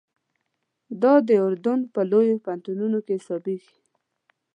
دا د اردن په لویو پوهنتونو کې حسابېږي.